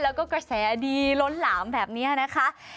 แล้วก็กระแสดีล้นหลามแบบนี้นะคะ